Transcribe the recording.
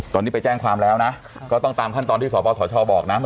ตอนนี้ไปแจ้งความแล้วนะก็ต้องตามขั้นตอนที่สปสชบอกนะ